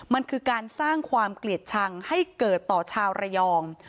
มันคือการสร้างความเกลียดชังให้เกิดต่อชาวระยอง